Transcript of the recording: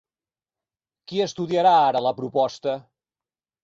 Qui estudiarà ara la proposta?